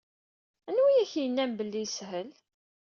Anwa i ak-yennan belli yeshel?